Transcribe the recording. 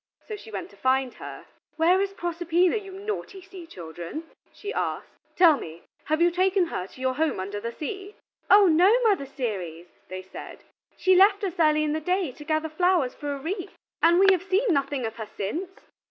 So she went to find her. "Where is Proserpina, you naughty sea children?" she asked; "tell me, have you taken her to your home under the sea?" "Oh no, Mother Ceres," they said, "she left us early in the day to gather flowers for a wreath, and we have seen nothing of her since."